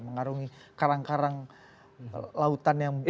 mengarungi karang karang lautan yang berat sekali